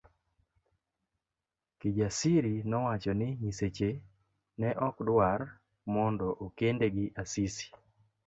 Kijasiri nowacho ni nyiseche ne okdwar mondo okende gi Asisi.